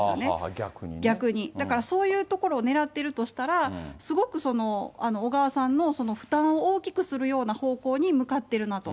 逆に、だからそういうところをねらっているとしたら、すごく小川さんの負担を大きくするような方向に向かっているなと。